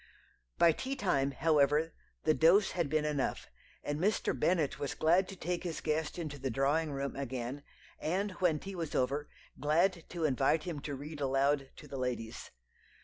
"By tea time, however, the dose had been enough, and Mr. Bennet was glad to take his guest into the drawing room again, and when tea was over, glad to invite him to read aloud to the ladies.